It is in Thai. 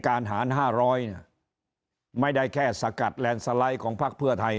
หาร๕๐๐ไม่ได้แค่สกัดแลนด์สไลด์ของพักเพื่อไทย